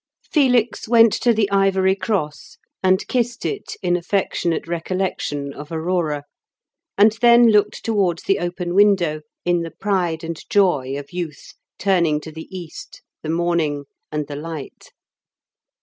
Felix went to the ivory cross and kissed it in affectionate recollection of Aurora, and then looked towards the open window, in the pride and joy of youth turning to the East, the morning, and the light.